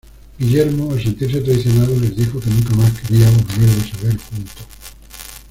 Guillermo, al sentirse traicionado, les dijo que nunca más quería volverlos a ver juntos.